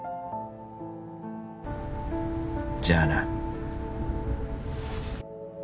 じゃあな